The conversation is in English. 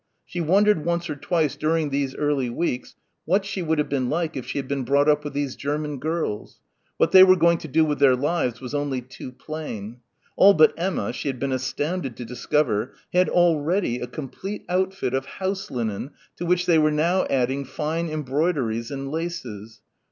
She wondered once or twice during these early weeks what she would have been like if she had been brought up with these German girls. What they were going to do with their lives was only too plain. All but Emma, she had been astounded to discover, had already a complete outfit of house linen to which they were now adding fine embroideries and laces.